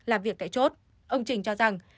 làm việc tại chốt ông trình cho rằng